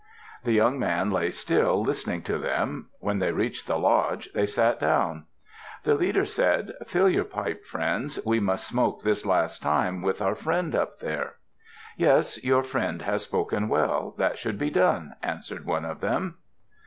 The young man lay still, listening to them. When they reached the lodge, they sat down. The leader said, "Fill your pipe, friends. We must smoke this last time with our friend up there." "Yes, your friend has spoken well. That should be done," answered one of them.